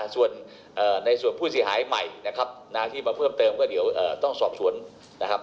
ส่วนในส่วนผู้เสียหายใหม่นะครับที่มาเพิ่มเติมก็เดี๋ยวต้องสอบสวนนะครับ